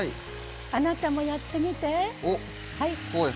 あなたもやってみて。